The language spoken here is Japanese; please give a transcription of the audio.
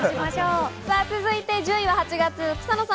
１０位は８月、草野さん。